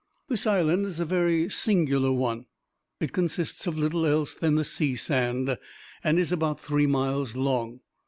This island is a very singular one. It consists of little else than the sea sand, and is about three miles long.